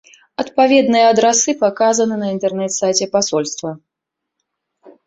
Адпаведныя адрасы паказаны на інтэрнэт-сайце пасольства.